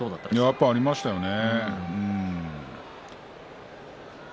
やっぱりありましたよね。